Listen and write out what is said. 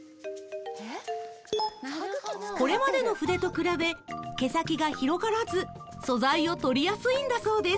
これまでの筆と比べ毛先が広がらず素材を取りやすいんだそうです